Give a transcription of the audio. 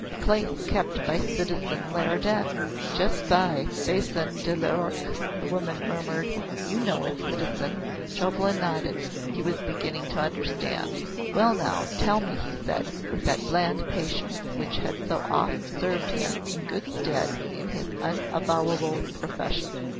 "The place kept by citizen Leridan, just by Bassin de l'Ourcq," the woman murmured. "You know it, citizen." Chauvelin nodded. He was beginning to understand. "Well, now, tell me," he said, with that bland patience which had so oft served him in good stead in his unavowable profession.